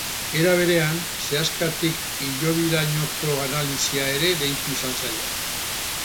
Era berean, sehaskatik-hilobirainoko analisia ere deitu izan zaio.